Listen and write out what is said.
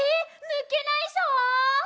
ぬけないぞ！！」